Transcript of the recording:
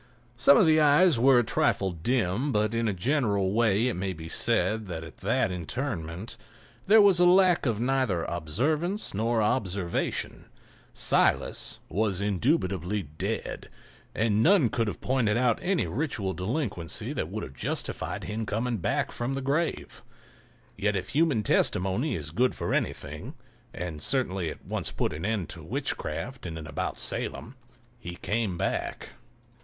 Some of the eyes were a trifle dim, but in a general way it may be said that at that interment there was lack of neither observance nor observation; Silas was indubitably dead, and none could have pointed out any ritual delinquency that would have justified him in coming back from the grave. Yet if human testimony is good for anything (and certainly it once put an end to witchcraft in and about Salem) he came back.